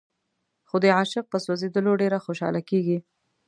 خو د عاشق په سوځېدلو ډېره خوشاله کېږي.